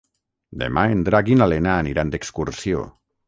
Demà en Drac i na Lena aniran d'excursió.